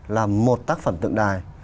là một tác phẩm tượng đài